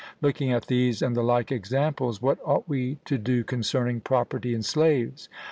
Looking at these and the like examples, what ought we to do concerning property in slaves?